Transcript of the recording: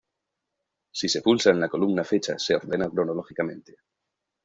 Si se pulsa en la columna "Fecha", se ordena cronológicamente.